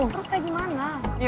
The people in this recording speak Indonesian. terus kayak gimana